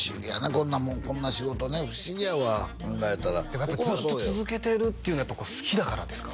こんなもうこんな仕事ね不思議やわ考えたらでもやっぱずっと続けてるっていうのはやっぱこう好きだからですか？